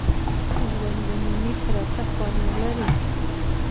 ژوند د میني پرته خوند نه لري.